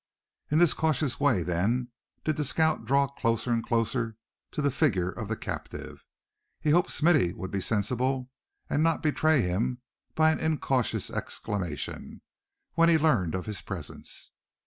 In this cautious way, then, did the scout draw closer and closer to the figure of the captive. He hoped Smithy would be sensible, and not betray him by an incautious exclamation, when he learned of his presence.